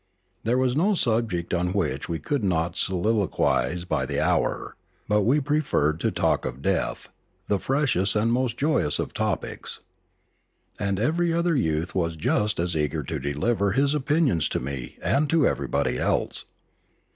There was no subject on which we could not soliloquise by the hour, but we preferred to talk of death, the freshest and most joyous of topics. And every other youth was just as eager to deliver his opinions to me and to everybody else.